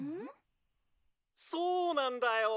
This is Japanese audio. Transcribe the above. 「そうなんだよ！」